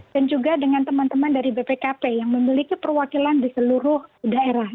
dan juga dengan teman teman dari bpkp yang memiliki perwakilan di seluruh daerah